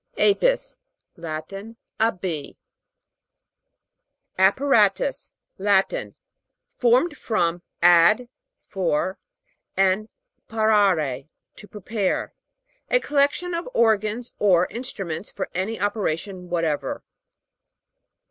A'PIS. Latin. A bee. APPARA'TUS. Latin. Formed from ad, for, and parare, to prepare. A collection of organs or instruments for any operation whatever.